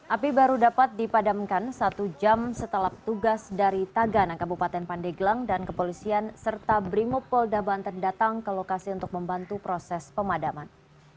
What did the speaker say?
api baru dapat dipadamkan satu jam setelah petugas dari tagana kabupaten pandeglang dan kepolisian serta brimopolda banten datang ke lokasi untuk membantu proses pemadaman